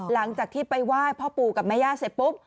หลังจากที่ไปไหว้พ่อปู่กับแม่ย่าเสร็จปุ๊บ